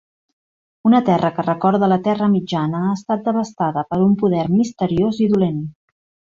Una terra que recorda la Terra Mitjana ha estat devastada per un poder misteriós i dolent.